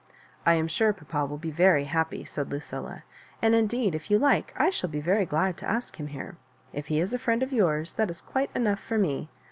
"I am sure papa will be very happy," said Lucilla; "and indeed, if you like, I shall be very glad to ask him here. If he is a friend of yours, that is quite enough for me.